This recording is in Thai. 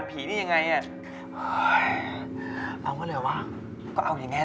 บอสล้อมขึ้นมานะ